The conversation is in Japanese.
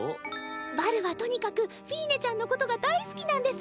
バルはとにかくフィーネちゃんのことが大好きなんです。